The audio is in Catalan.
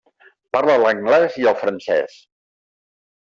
Parla l'anglès i el francès.